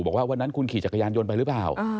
บอกว่าวันนั้นคุณขี่จักรยานยนต์ไปหรือเปล่า